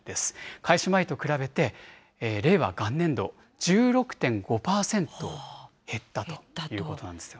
開始前と比べて令和元年度１６．５％減ったということなんですよ。